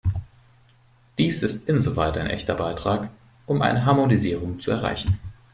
Dies ist insoweit ein echter Beitrag, um eine Harmonisierung zu erreichen.